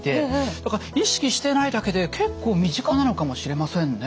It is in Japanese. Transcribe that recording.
だから意識してないだけで結構身近なのかもしれませんね。